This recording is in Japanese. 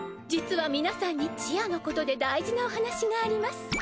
実は皆さんにちあのことで大事なお話があります。